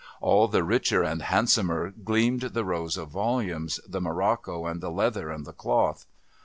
All the richer and handsomer gleamed the rows of volumes, the morocco and the leather and the cloth.